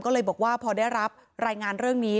ก็เลยบอกว่าพอได้รับรายงานเรื่องนี้